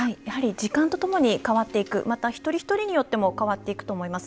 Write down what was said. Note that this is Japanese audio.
時間とともに変わっていくまた一人一人によっても変わっていくと思います。